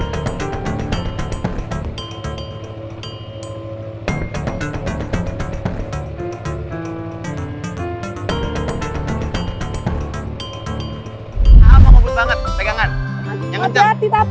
gue selalu mandang lo buruk mike